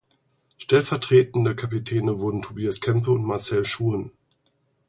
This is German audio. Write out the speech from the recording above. Stelllvertretende Kapitäne wurden Tobias Kempe und Marcel Schuhen.